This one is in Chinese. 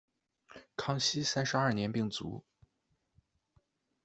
康熙三十二年病卒。